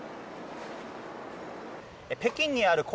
北京にある恒